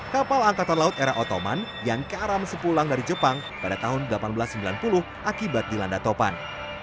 kapal angkatan laut era ottoman yang karam sepulang dari jepang pada tahun seribu delapan ratus sembilan puluh akibat dilanda topan